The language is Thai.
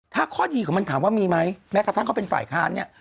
ถ้าข้อดีของมันถามว่ามีไหมแม้กระทั่งเขาเป็นฝ่ายค้านเนี่ย